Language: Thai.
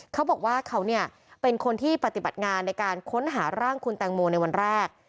เขาบอกว่าเขาเป็นคนที่ปฏิบัติงานในการค้นหาร่างคุณแตงโมในวันแรก